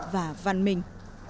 và văn minh